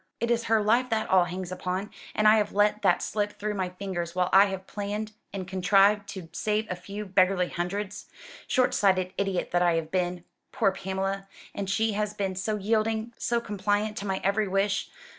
It is her life that all hangs upon: and I have let that slip through my fingers while I have planned and contrived to save a few beggarly hundreds. Short sighted idiot that I have been! Poor Pamela! And she has been so yielding, so compliant to my every wish!